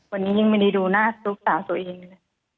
วันนี้ยังไม่ได้ดูหน้าสุขสาวสุอิงเลย